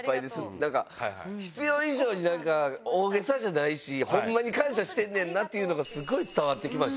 なんか必要以上に、なんか、大げさじゃないし、ほんまに感謝してんねんなっていうのがすごい伝わってきました。